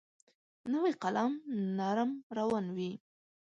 نوی قلم نرم روان وي.